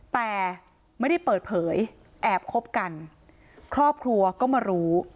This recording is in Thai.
แต่ไม่ได้เปิดเผยแอบคบกันครอบครัวก็มารู้